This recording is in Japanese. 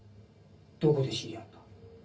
どこで知り合った？